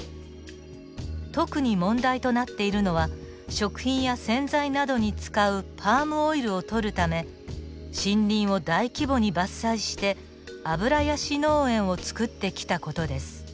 特に問題となっているのは食品や洗剤などに使うパームオイルをとるため森林を大規模に伐採して油ヤシ農園を造ってきた事です。